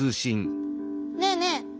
ねえねえ